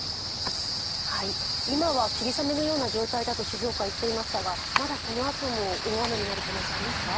今は霧雨のような状態だと静岡は言っていましたがまだこのあとも大雨になる可能性がありますか？